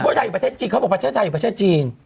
ผู้ชายอยู่ประเทศจีนเขาบอกว่าประเทศไทยประเทศจีน